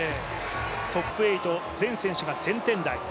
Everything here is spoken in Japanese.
トップ８、全選手が１０００点台。